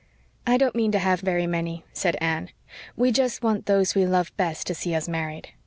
"I don't mean to have very many," said Anne. "We just want those we love best to see us married.